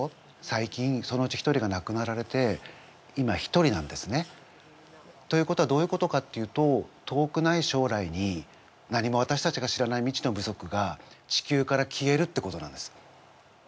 最近そのうち一人がなくなられて今一人なんですね。ということはどういうことかっていうと遠くないしょうらいに何もわたしたちが知らない未知の部族が地球から消えるってことなんです。